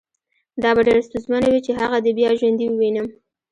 دا به ډېره ستونزمنه وي چې هغه دې بیا ژوندی ووینم